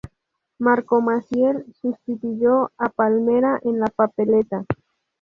Marco Maciel sustituyó a Palmera en la papeleta.